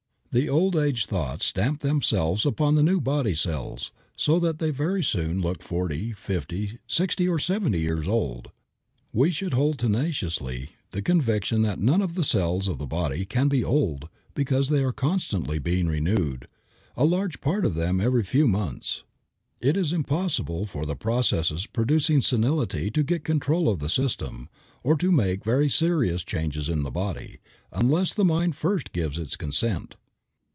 The old age thoughts stamp themselves upon the new body cells, so that they very soon look forty, fifty, sixty, or seventy years old. We should hold tenaciously the conviction that none of the cells of the body can be old because they are constantly being renewed, a large part of them every few months. It is impossible for the processes producing senility to get control of the system, or to make very serious changes in the body, unless the mind first gives its consent.